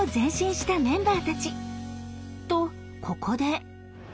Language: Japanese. とここで。